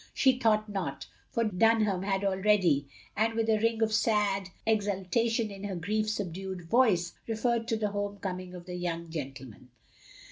She thought not, for Dunham had already, and with a ring of sad exultation in her grief subdued voice, referred to the home conmig of the young gentleman.